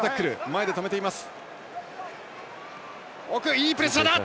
いいプレッシャーだ！